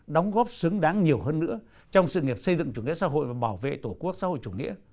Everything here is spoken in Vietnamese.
đóng góp xứng đáng nhiều hơn nữa trong sự nghiệp xây dựng chủ nghĩa xã hội